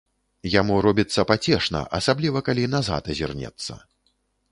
Яму робіцца пацешна, асабліва калі назад азірнецца.